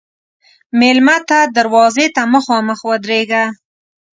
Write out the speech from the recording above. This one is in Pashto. مېلمه ته دروازې ته مخامخ ودریږه.